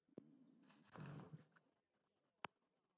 Charles Stuart-Wortley-Mackenzie and James Stuart-Wortley were his uncles.